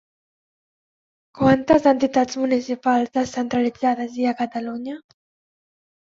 Quantes entitats municipals descentralitzades hi ha a Catalunya?